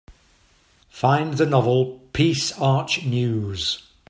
Find the novel Peace Arch News